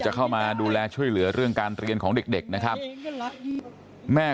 เข้ามาดูแลช่วยเหลือเรื่องการเรียนของเด็กนะครับแม่